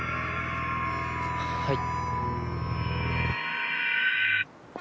はい。